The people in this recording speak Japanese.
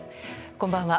こんばんは。